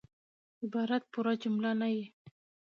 عبارت پوره جمله نه يي.